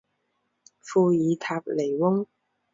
库尔塔尼翁。